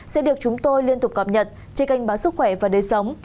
sẽ được chúng tôi liên tục cập nhật trên kênh báo sức khỏe và đời sống